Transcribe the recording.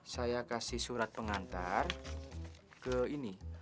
saya kasih surat pengantar ke ini